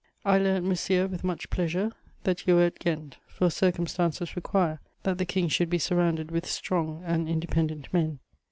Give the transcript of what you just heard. _ "I learnt, monsieur, with much pleasure that you were at Ghent, for circumstances require that the King should be surrounded with strong and independent men.